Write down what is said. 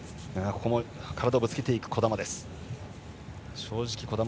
ここも体をぶつけていった児玉。